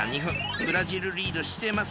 ブラジルリードしてます。